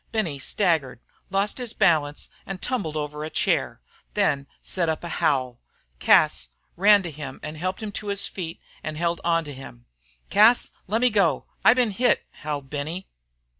Benny staggered, lost his balance, and tumbled over a chair. Then he set up a howl. Cas ran to him and helped him to his feet and held on to him. "Cas, lemme go. I ben hit," howled Benny.